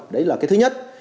đấy là cái thứ nhất